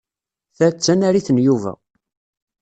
Ta d tanarit n Yuba.